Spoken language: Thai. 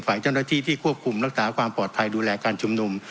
ฝ่ายเจ้าหน้าที่ที่ควบคุมรักษาความปลอดภัยดูแลการชุมนุม